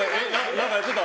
何かやってた？